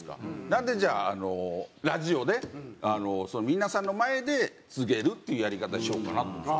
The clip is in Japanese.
なのでじゃあラジオで皆さんの前で告げるっていうやり方にしようかなと。